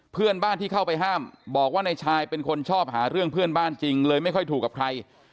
เพื่อนบ้านที่เข้าไปห้ามบอกว่านายชายเป็นคนชอบหาเรื่องเพื่อนบ้านจริงเลยไม่ค่อยถูกกับใคร